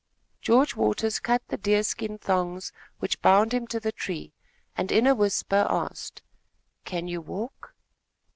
George Waters cut the deer skin thongs which bound him to the tree and, in a whisper, asked: "Can you walk?"